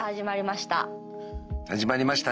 また始まりました。